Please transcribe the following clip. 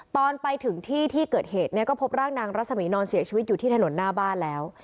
ตอนไปถึงที่เติดเหตุก็พบร่างนางรัฐสมีนอยว์แนะนำเสียชีวิตอยู่ที่ถนนหน้าบ้านแล้ว